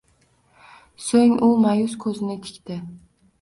Soʻng u maʼyus koʻzini tikdi